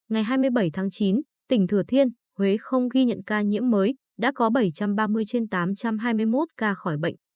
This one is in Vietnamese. ngày hai mươi bảy tháng chín tỉnh thừa thiên huế không ghi nhận ca nhiễm mới đã có bảy trăm ba mươi trên tám trăm hai mươi một ca khỏi bệnh